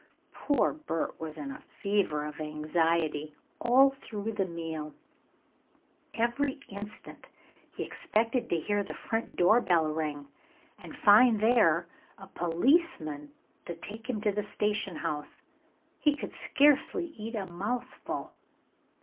Poor Bert was in a fever of anxiety all through the meal. Every instant he expected to hear the front door bell ring, and find there a policeman to take him to the station house. He could scarcely eat a mouthful.